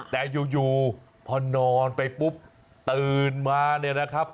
แต่อยู่พอนอนไปปุ๊บตื่นมาเนี่ยนะครับ